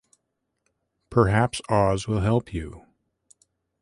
Perhaps Oz will help you.